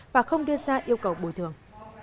và không đưa ra yêu cầu bồi thường